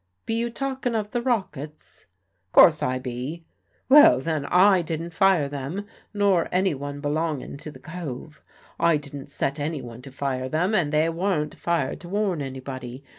"Be you talkin' of the rockets?" "'Course I be." "Well then, I didn't fire them, nor anyone belongin' to the Cove. I didn't set anyone to fire them, and they waren't fired to warn anybody.